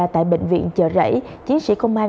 tại bệnh viện chợ rẫy chiến sĩ công an